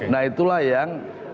nah itulah yang